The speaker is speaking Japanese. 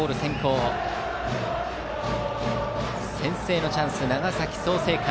先制のチャンス、長崎・創成館。